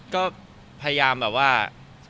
ก็พยายาม